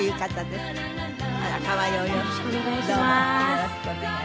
よろしくお願いします。